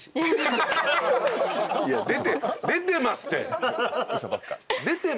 出てますって。